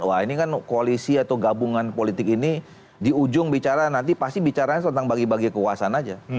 wah ini kan koalisi atau gabungan politik ini di ujung bicara nanti pasti bicaranya tentang bagi bagi kekuasaan aja